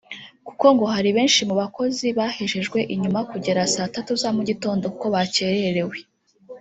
kuko ngo hari benshi mu bakozi bahejejwe inyuma kugera saa Tatu za mugitondo kuko bakererewe